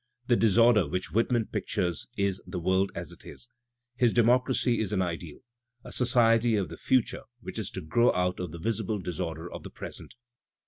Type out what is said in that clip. The disorder which Whitman pictures is the world as it is; his democracy is an ideal, a society of the future which is to grow out of the visible disorder of the present.